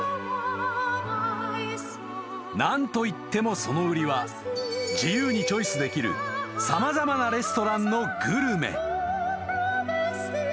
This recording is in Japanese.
［何といってもその売りは自由にチョイスできる様々なレストランのグルメ］